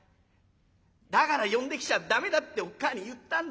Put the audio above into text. だから呼んできちゃ駄目だっておっ母ぁに言ったんだ。